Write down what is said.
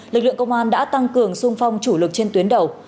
lực lượng công an đã tăng cường sung phong chủ lực trên tuyến đầu